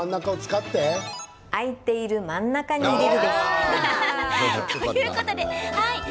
空いている真ん中に入れるです。